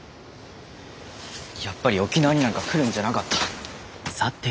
やっぱり沖縄になんか来るんじゃなかった。